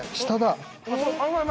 下だ。